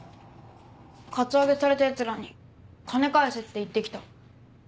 カツアゲされたヤツらに金返せって言って来た。